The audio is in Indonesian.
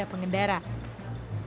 mereka menerima swab test